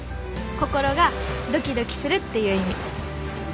心がドキドキするっていう意味。